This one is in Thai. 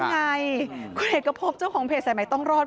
ไงคุณเอกพบเจ้าของเพจสายใหม่ต้องรอด